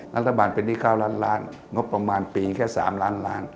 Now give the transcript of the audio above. รัฐบาลเป็นหนี้๙ล้านล้านงบประมาณปีแค่๓ล้านล้าน